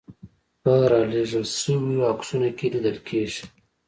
په رالېږل شویو عکسونو کې لیدل کېږي.